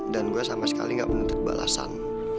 dan gue sama sekali nggak penutup balasan